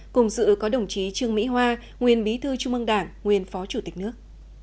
cùng sự có đồng chí trương mỹ hoa nguyên bí thư trung mông đảng nguyên phó chủ tịch nước